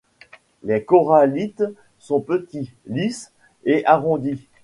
Les corallites sont petits, lisses et arrondis.